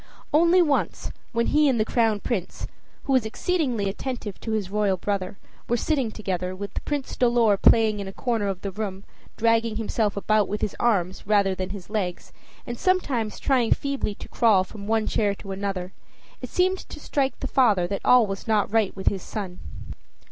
Only once, when he and the Crown Prince, who was exceedingly attentive to his royal brother, were sitting together, with Prince Dolor playing in a corner of the room, dragging himself about with his arms rather than his legs, and sometimes trying feebly to crawl from one chair to another, it seemed to strike the father that all was not right with his son.